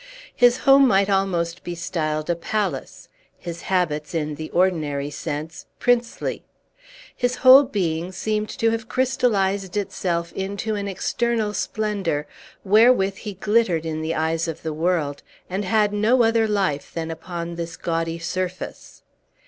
His home might almost be styled a palace; his habits, in the ordinary sense, princely. His whole being seemed to have crystallized itself into an external splendor, wherewith he glittered in the eyes of the world, and had no other life than upon this gaudy surface.